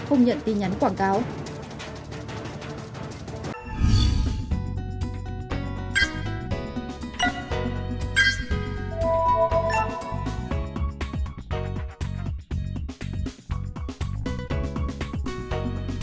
không nhận tin nhắn quảng cáo